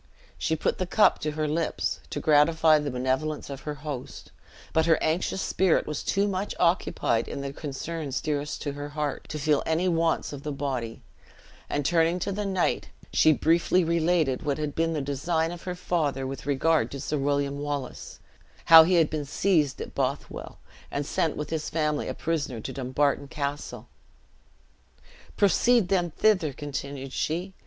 She put the cup to her lips, to gratify the benevolence of her host, but her anxious spirit was too much occupied in the concerns dearest to her heart, to feel any wants of the body; and turning to the knight, she briefly related what had been the design of her father with regard to Sir William Wallace; how he had been seized at Bothwell, and sent with his family a prisoner to Dumbarton Castle. "Proceed then thither," continued she.